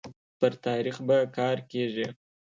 پر تاريخ به کار کيږي